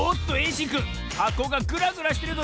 しんくんはこがグラグラしてるぞ。